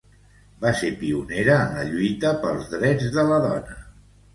Va ser pionera en la lluita pels drets de la dona.